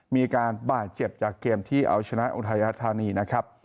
มีการบาดเจ็บจากเกมที่เอาชนะอุทัยรัฐธานีนะครับ